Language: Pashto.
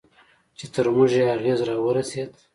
چې تر موږ یې اغېز راورسېد.